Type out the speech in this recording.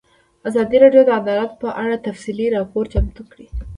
ازادي راډیو د عدالت په اړه تفصیلي راپور چمتو کړی.